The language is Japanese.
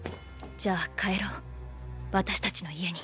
じゃあ帰ろう私たちの家に。